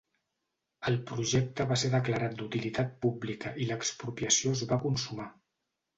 El projecte va ser declarat d'utilitat pública i l'expropiació es va consumar.